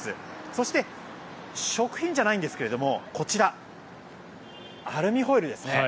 そして、食品じゃないんですがこちら、アルミホイルですね。